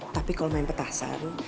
tapi kalau main petasan